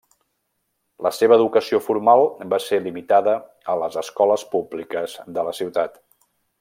La seva educació formal va ser limitada a les escoles públiques de la ciutat.